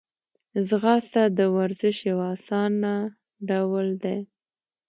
ځغاسته د ورزش یو آسانه ډول دی